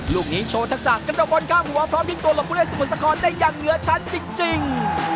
ลูกนี้โชว์ทักษะกระโดดบนข้ามหัวพร้อมทิ้งตัวหลบผู้เล่นสมุทรสาครได้อย่างเหนือชั้นจริง